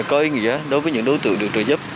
có ý nghĩa đối với những đối tượng được trợ giúp